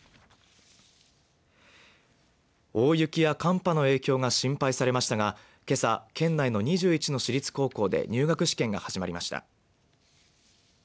大雪や寒波の影響が心配されましたがけさ、県内の２１の私立高校で入学試験が始まりました。